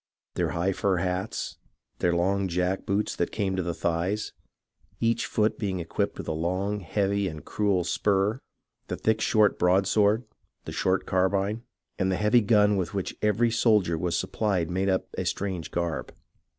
Their high fur hats ; their long jack boots that came 88 HISTORY OF THE AMERICAN REVOLUTION to the thighs, each foot being equipped with a long, heavy, and cruel spur ; the thick short broadsword ; the short car bine ; and the heavy gun with which every soldier was sup plied made up a strange garb.